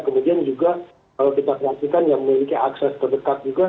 kemudian juga kalau kita perhatikan yang memiliki akses terdekat juga